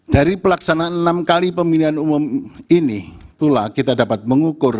dari pelaksanaan enam kali pemilihan umum ini pula kita dapat mengukur